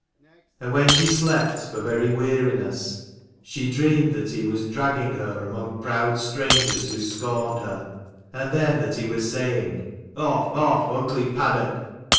And when she slept for very weariness, she dreamed that he was dragging her among proud strangers who scorned her: and then that he was saying "Off, off, ugly paddock."